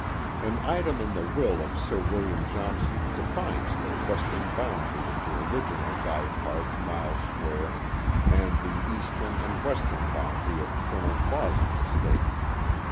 An item in the will of Sir William Johnson defines the wes tern boundary of the original Guy Park mile square and the eastern and western boundary of Colonel Clauses estate.